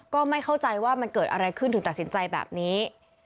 ก็ไม่เข้าใจว่ามันเกิดอะไรขึ้นถึงตัดสินใจแบบนี้